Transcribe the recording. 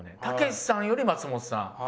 たけしさんより松本さん。